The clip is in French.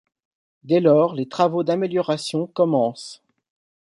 Dès lors, les travaux d'amélioration commencent.